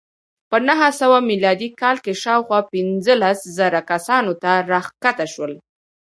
په نهه سوه میلادي کال کې شاوخوا پنځلس زره کسانو ته راښکته شول